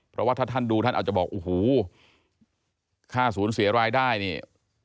เพราะว่าถ้าท่านดูท่านอาจจะบอกโอ้โหค่าสูญเสียรายได้นี่